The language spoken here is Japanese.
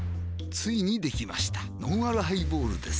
ついにできましたのんあるハイボールです